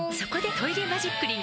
「トイレマジックリン」